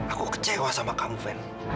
aku kecewa sama kamu van